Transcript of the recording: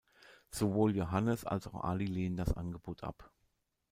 Sowohl Johannes als auch Ali lehnen das Angebot ab.